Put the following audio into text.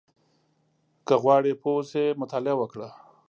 • که غواړې پوه اوسې، مطالعه وکړه.